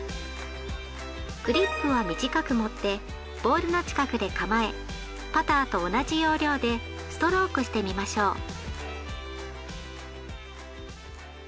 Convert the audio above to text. グリップは短く持ってボールの近くで構えパターと同じ要領でストロークしてみましょう。